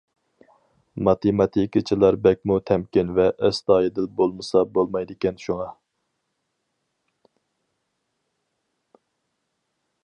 ماتېماتىكىچىلار بەكمۇ تەمكىن ۋە ئەستايىدىل بولمىسا بولمايدىكەن شۇڭا.